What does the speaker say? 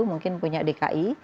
mungkin punya dki